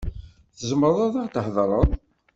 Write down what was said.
Tzemreḍ ad aɣ-d-theḍṛeḍ.